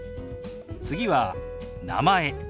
次は「名前」。